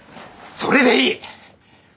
それでいい！